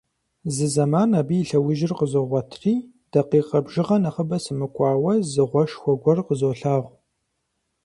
Зы зэман абы и лъэужьыр къызогъуэтри, дакъикъэ бжыгъэ нэхъыбэ сымыкӀуауэ, зы гъуэшхуэ гуэр къызолъагъу.